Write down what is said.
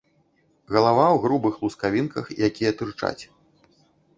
Галава ў грубых лускавінках, якія тырчаць.